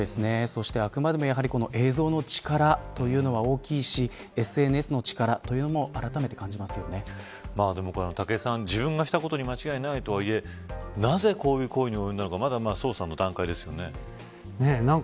そして、あくまでも映像の力というのが大きいしＳＮＳの力とうのも自分がしたことに間違いないとはいえなぜこういう行為に及んだのか捜査の段階ですよね。